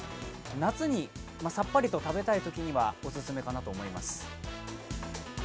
夏にさっぱりと食べたいときにはおすすめかなと思います。